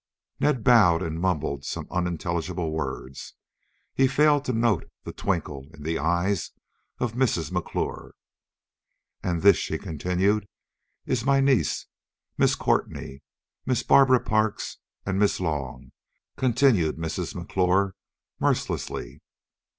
Ned bowed and mumbled some unintelligible words. He failed to note the twinkle in the eyes of Mrs. McClure. "And this," she continued, "is my niece Miss Courtenay, Miss Barbara Parks and Miss Long," continued Mrs. McClure mercilessly.